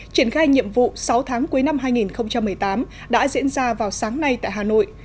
triển khai nhiệm vụ sáu tháng cuối năm hai nghìn một mươi tám đã diễn ra vào sáng nay tại hà nội